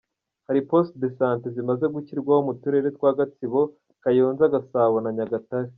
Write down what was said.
Hari post de sante zimaze gushyirwaho, mu turere twa Gatsibo, Kayonza, Gasabo na Nyagatare.